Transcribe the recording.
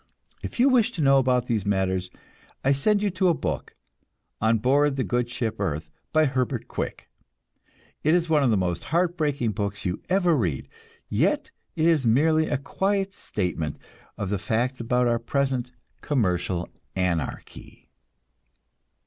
If you wish to know about these matters, I send you to a book, "On Board the Good Ship Earth," by Herbert Quick. It is one of the most heart breaking books you ever read, yet it is merely a quiet statement of the facts about our present commercial anarchy.